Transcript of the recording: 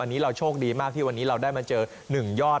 อันนี้เราโชคดีมากที่วันนี้เราได้มาเจอ๑ยอด